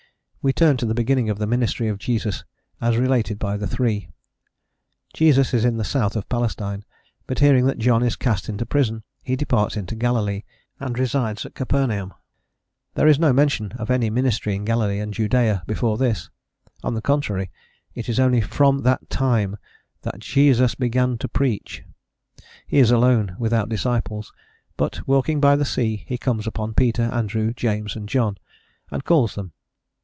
We turn to the beginning of the ministry of Jesus as related by the three. Jesus is in the south of Palestine, but, hearing that John is cast into prison, he departs into Galilee, and resides at Capernaum. There is no mention of any ministry in Galilee and Judaea before this; on the contrary, it is only "from that time" that "Jesus began to preach." He is alone, without disciples, but, walking by the sea, he comes upon Peter, Andrew, James, and John, and calls them.